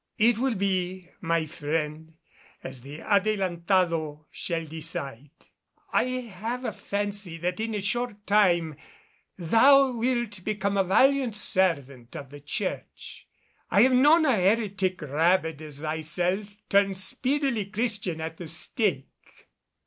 "It will be, my friend, as the Adelantado shall decide. I have a fancy that in a short time thou wilt become a valiant servant of the Church. I have known a heretic rabid as thyself, turn speedily Christian at the stake."